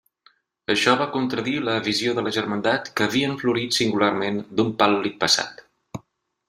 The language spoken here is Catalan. Això va contradir la visió de la Germandat que havien florit singularment d'un pàl·lid passat.